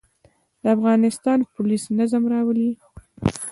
د افغانستان پولیس نظم راولي